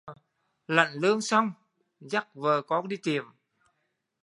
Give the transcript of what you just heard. Lãnh lương xong, dắt vợ con đi tiệm